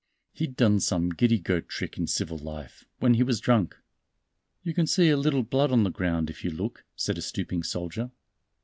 He'd done some giddy goat trick in civil life, when he was drunk." "You can see a little blood on the ground if you look," said a stooping soldier.